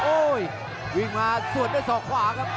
วิ่งมาน้ำที่สวดด้วยซอกขวากันครับ